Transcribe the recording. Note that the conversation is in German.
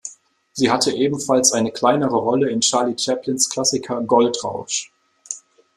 Sie hatte ebenfalls eine kleinere Rolle in Charlie Chaplins Klassiker "Goldrausch".